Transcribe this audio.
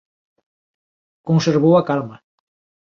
Conservou a calma.